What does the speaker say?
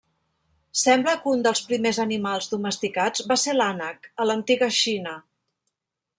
Sembla que un dels primers animals domesticats va ser l'ànec, a l'antiga Xina.